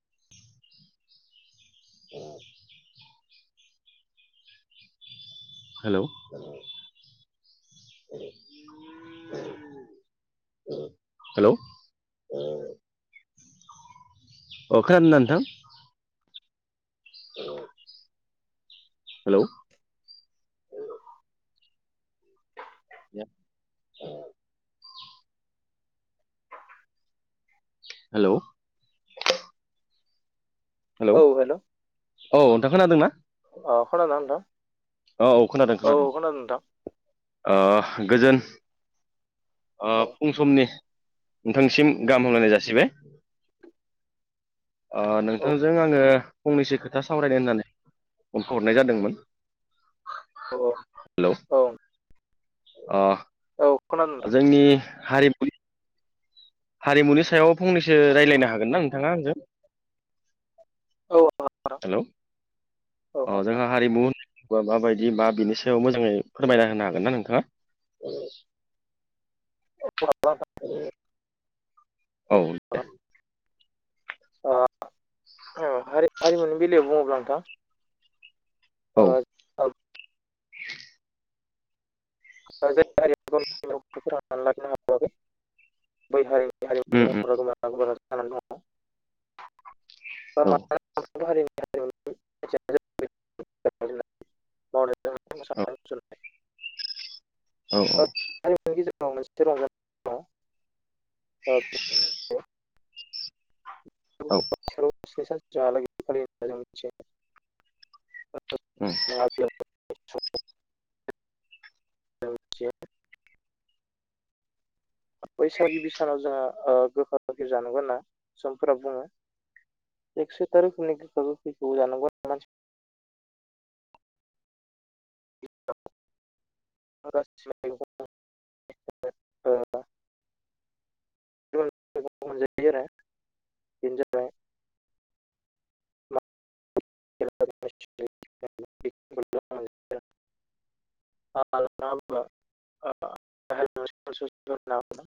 [unintelligible] हेल'! [inaudible] [inaudible] हेल'! अ खोनादों ना नोंथां? हेल'! [inaudible] हेल'! हेलौ औ हेल'! औ नोंथां खोनादों अ खोनादों ना नोंथां? औ खोनादों खोनादों। औ नोंथां। ओ गोजोन ओ औ फुं समनि नोंथांनिसिम गाहाम हामलायनाय जासिबाय। ओ औ नोंथांजों आङो फंनैसो खोथा सावरायनो होनना फनखौ हरनाय जादोंमोन। अ औ। अ औ। खोनादों नोंथां जोंनि हारि हारिमुनि सायाव फंनैसो रायज्लायनो हागोन ना नोंथाङा आंजों? औ हागोन नोंथां। [inaudible] हेल' औ [inaudible] अ हागोन जोंहा हारिमु होनोबा माबायदि बा बिनि सायाव मोजाङै फोरमायना होनो हागोन ना नोंथाङा? [inaudible] [unintelligible] [inaudible] औ। [unintelligible] ओ हा-हारिमुनि बेलायाव बुङोब्ला नोंथां ओ ज औ जाय हारिया गावनि [unintelligible] फोथांनानै लाखिनो हाबाबो बै हारिनि हारिमुनि उम उम महरा जानानै दङ औ औ [inaudible] [unintelligible] [unintelligible] [unintelligible] औ औ। औ हारिमुनि गेजेराव मोनसे [unintelligible] ओ [unintelligible] औ [unintelligible] ओम। जोंहा [unintelligible] मिथियो बैसागिबि सानाव जोङा ओ गोखा गोखै जानांगौ होनना समफोरा बुङो। एकस' एतार गुनिक हिसाबै जानांगौ आरोना। [unintelligible] ओ [unintelligible] मोनजायो आरो बेनो जाबाय। [inaudible] [unintelligible] [unintelligible]